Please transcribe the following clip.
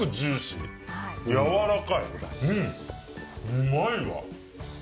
うまいわ！